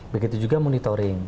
begitu juga monitoring